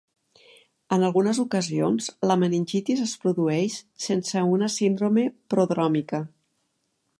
En algunes ocasions, la meningitis es produeix sense una síndrome prodròmica.